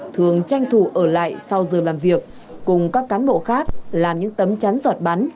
thường tranh thủ ở lại sau giờ làm việc cùng các cán bộ khác làm những tấm chắn giọt bắn